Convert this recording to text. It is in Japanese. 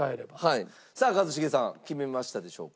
さあ一茂さん決めましたでしょうか？